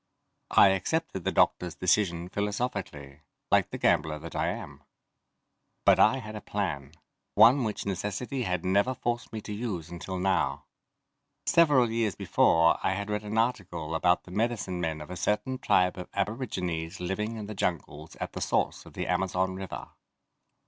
I accepted the doctors' decision philosophically, like the gambler that I am. But I had a plan: One which necessity had never forced me to use until now. Several years before I had read an article about the medicine men of a certain tribe of aborigines living in the jungles at the source of the Amazon River.